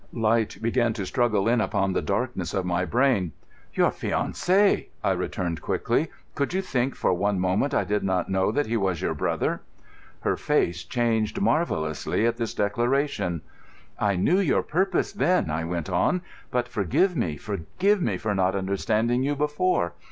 Light began to struggle in upon the darkness of my brain. "Your fiancé!" I returned quickly. "Could you think for one moment I did not know that he was your brother?" Her face changed marvellously at this declaration. "I knew your purpose then," I went on. "But forgive me, forgive me for not understanding you before.